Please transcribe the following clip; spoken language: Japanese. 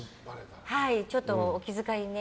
ちょっとお気遣いをね。